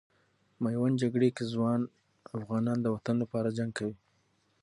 میوند جګړې کې ځوان افغانان د وطن لپاره جنګ کوي.